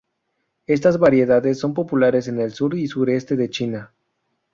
Estas variedades son populares en el sur y sureste de China.